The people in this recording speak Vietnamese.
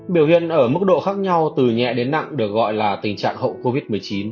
biểu hiện ở mức độ khác nhau từ nhẹ đến nặng được gọi là tình trạng hậu covid một mươi chín